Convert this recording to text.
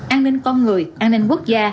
an ninh con người an ninh quốc gia